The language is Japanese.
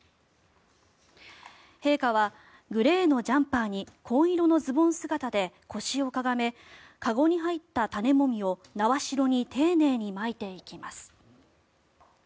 陛下はグレーのジャンパーに紺色のズボン姿で腰をかがめ、籠に入った種もみを苗代に丁寧にまいていきます。